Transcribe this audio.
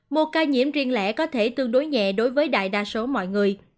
một ca nhiễm riêng lẻ có thể tương đối nhẹ đối với đại đa số mọi người